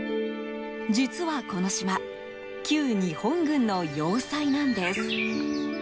実は、この島旧日本軍の要塞なんです。